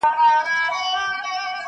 یارانو رخصتېږمه، خُمار درڅخه ځمه!!